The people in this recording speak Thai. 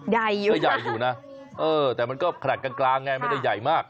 ใหญ่อยู่ก็ใหญ่อยู่นะเออแต่มันก็ขนาดกลางไงไม่ได้ใหญ่มาก